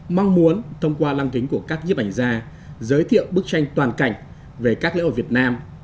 mong muốn thông qua lăng kính của các nhiếp ảnh gia giới thiệu bức tranh toàn cảnh về các lễ hội việt nam